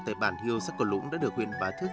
tại bản hiêu sắc cổ lũng đã được huyện bá thước